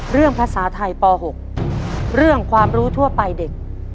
เรื่องภาษาไทยปหกเรื่องความรู้ทั่วไปเด็ก